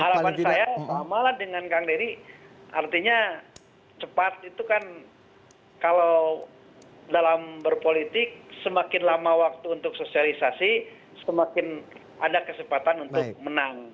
harapan saya samalah dengan kang deddy artinya cepat itu kan kalau dalam berpolitik semakin lama waktu untuk sosialisasi semakin ada kesempatan untuk menang